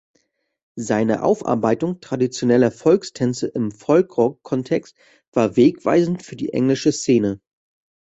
Seine Aufarbeitung traditioneller Volkstänze im Folkrock-Kontext war wegweisend für die englische Szene.